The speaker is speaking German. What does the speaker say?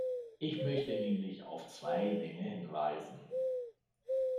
Ich möchte nämlich auf zwei Dinge hinweisen.